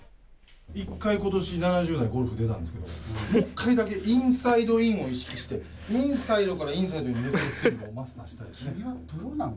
１回、ことし７０台、ゴルフで出たんですけど、もう一回だけ、インサイドインを意識して、インサイドからインサイドに抜けていくスイングをマスターしたいですね。